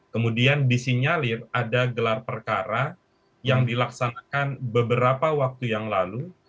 kemudian disinyalir ada gelar perkara yang dilaksanakan beberapa waktu yang lalu